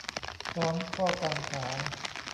พร้อมข้อกังขา